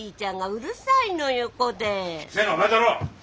うるせえのはお前だろ！